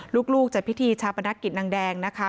ลูกจัดพิธีชาปนกิจนางแดงนะคะ